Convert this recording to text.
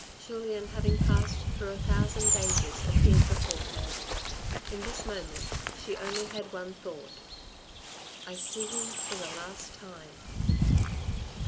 Julien, having passed through a thousand dangers, appeared before her. In this moment she only had one thought —" I see him for the last time."